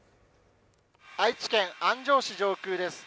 愛知県安城市上空です。